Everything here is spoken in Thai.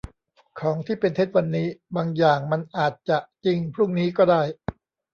ของที่เป็นเท็จวันนี้ บางอย่างมันอาจจะจริงพรุ่งนี้ก็ได้